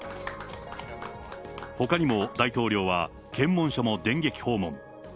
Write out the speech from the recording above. ほかにも大統領は検問所も電撃訪問。